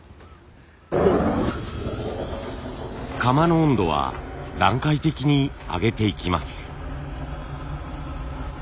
窯の温度は段階的に上げていきます。